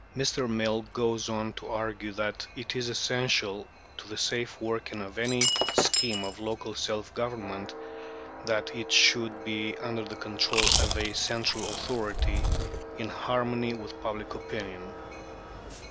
" Mr. Mill goes on to argue that it is essential to the safe working of any scheme of local self government that it should be under the control of a central authority in harmony with public opinion.